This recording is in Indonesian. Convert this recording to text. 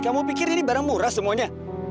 kamu pikir ini barang murah semuanya